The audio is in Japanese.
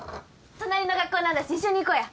隣の学校なんだし一緒に行こうや。